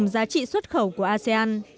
giá trị xuất khẩu của asean